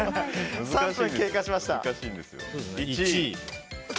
３分経過しました。